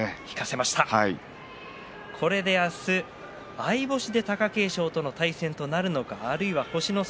これで明日、相星で貴景勝との対戦となるのかあるいは星の差